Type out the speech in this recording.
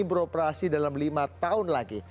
beroperasi dalam lima tahun lagi